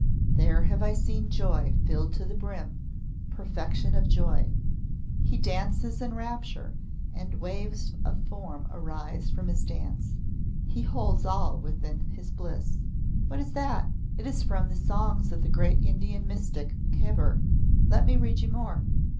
There have I seen joy filled to the brim, perfection of joy. He dances in rapture and waves of form arise from His dance. He holds all within his bliss." "What is that?" "It is from the songs of the great Indian mystic Kabir. Let me read you more.